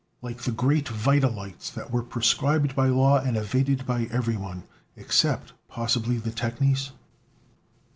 Like the great vita lights that were prescribed by law and evaded by everyone, except possibly the technies?